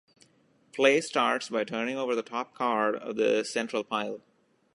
Play starts by turning over the top card of the central pile.